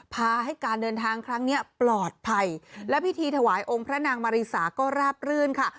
พาให้การเดินทางครั้งนี้ปลอดภัยและพิธีถวายองค์พระนางมาริสาก็ราบรื่นค่ะ